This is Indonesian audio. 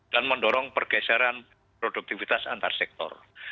dan mendorong pergeseran produktivitas antar sektor